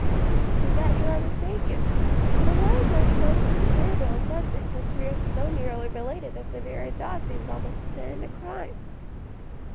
"In that you are mistaken. But why broach so disagreeable a subject, since we are so nearly related that the very thought seems almost a sin and a crime?"